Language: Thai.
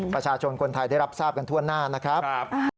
ประชาชนคนไทยได้รับทราบกันทั่วหน้านะครับ